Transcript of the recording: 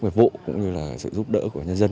người vụ cũng như sự giúp đỡ của nhân dân